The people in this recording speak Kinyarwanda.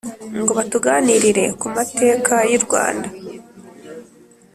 ngo batuganirire ku mateka y’u rwanda